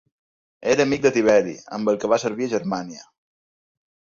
Era amic de Tiberi, amb el que va servir a Germània.